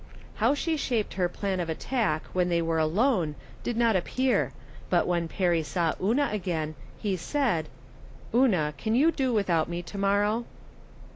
How she shaped her plan of attack when they were alone did not appear, but when Perry saw Una again, he said :" Una, can you do without me to morrow